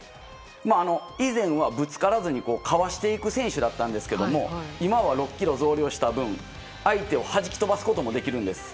以前はぶつからずにかわしていく選手だったんですが今は６ｋｇ増量した分相手を弾き飛ばすこともできます。